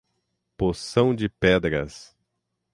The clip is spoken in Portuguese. Poção de Pedras